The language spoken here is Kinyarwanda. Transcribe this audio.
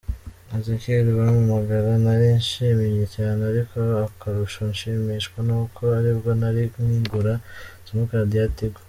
Ezechiel: Bampagara narishimye cyane, ariko akarusho nshimishwa nuko aribwo nari nkigura simukadi ya Tigo.